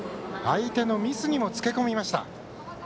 相手のミスにもつけ込みました。